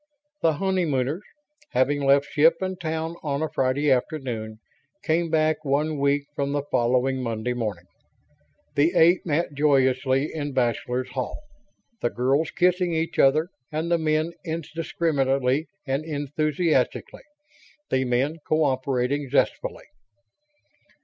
The honeymooners, having left ship and town on a Friday afternoon, came back one week from the following Monday morning. The eight met joyously in Bachelors' Hall; the girls kissing each other and the men indiscriminately and enthusiastically; the men cooperating zestfully.